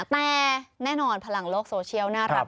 แต่แน่นอนพลังโลกโซเชียลน่ารัก